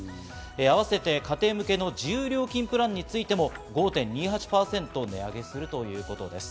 あわせて家庭向けの自由料金プランについても５．２８％値上げするということです。